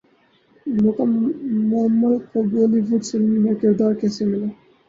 مومل کو Bollywood film میں کردار کیسے ملا